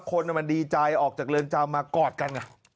คนมันดีใจออกจากเรือนจำมากอดกัน